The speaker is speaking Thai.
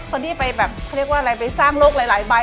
คนที่ไปแบบเขาเรียกว่าอะไรไปสร้างโลกหลายใบ